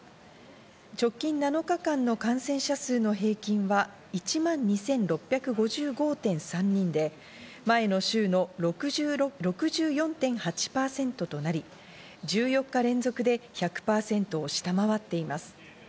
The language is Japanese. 直近７日間の感染者数の平均は１万２６５５．３人で、前の週の６４．８％となり、１４日連続で１００％を下回っています。